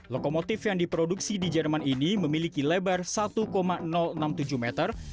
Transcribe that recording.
lokomotif yang diproduksi di jerman ini memiliki lebar satu enam puluh tujuh meter